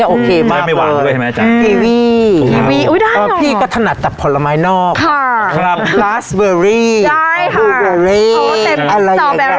อีวีอุ้ยได้หรอพี่ก็ถนัดตับผลไม้นอกค่ะครับได้ค่ะ